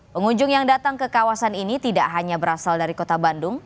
pengunjung yang datang ke kawasan ini tidak hanya berasal dari kota bandung